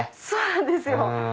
そうなんですよ。